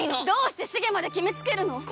どうして繁まで決めつけるの！？